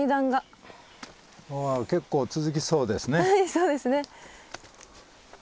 そうですね。